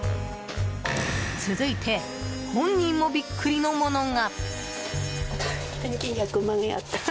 続いて、本人もビックリのものが。